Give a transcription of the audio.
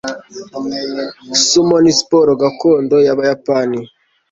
Sumo ni siporo gakondo y'Abayapani.